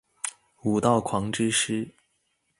武道狂之詩